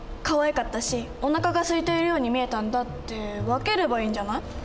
かわいかったしおなかがすいているように見えたんだ」って分ければいいんじゃない？